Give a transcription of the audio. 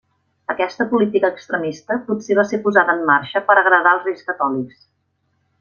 Aquesta política extremista potser va ser posada en marxa per agradar als Reis Catòlics.